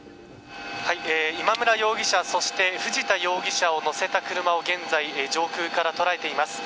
今村容疑者そして藤田容疑者を乗せた車を現在、上空から捉えています。